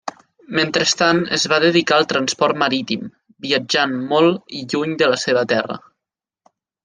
Mentrestant es va dedicar al transport marítim, viatjant molt i lluny de la seva terra.